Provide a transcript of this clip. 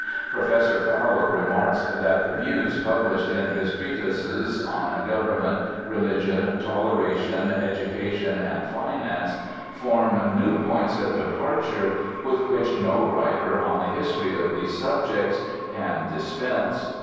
Pro fessor Fowler remarks that the views published in his treatises on Government, Religion, Toleration, Educa tion, and Finance form new points of departure with which no writer on the history of these subjects can 74 BIOGRAPHICAL ESSAYS dispense.